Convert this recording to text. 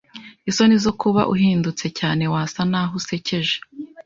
Isoni zo kuba uhindutse cyane. Wasa naho usekeje.